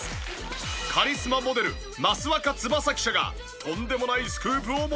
カリスマモデル益若つばさ記者がとんでもないスクープを持ってきた！